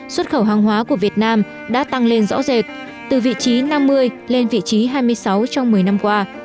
xuất khẩu hàng hóa của việt nam đã tăng lên rõ rệt từ vị trí năm mươi lên vị trí hai mươi sáu trong một mươi năm qua